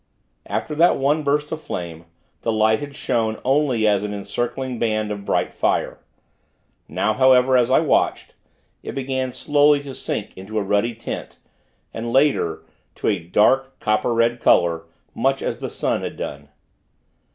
After that one burst of flame, the light had shown, only as an encircling band of bright fire. Now, however, as I watched, it began slowly to sink into a ruddy tint, and, later, to a dark, copper red color; much as the sun had done.